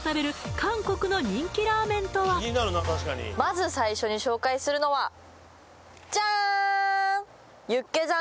まず最初に紹介するのはジャーン！